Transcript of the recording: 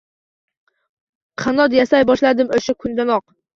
Qanot yasay boshladim o’sha kundanoq